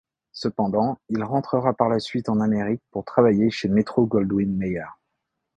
Cependant, il rentrera par la suite en Amérique pour travailler chez Metro-Goldwyn-Mayer.